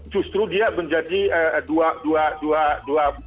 justru dia menjadi dua